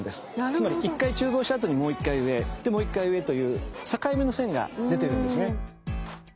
つまり一回鋳造したあとにもう一回上もう一回上という境目の線が出てるんですね。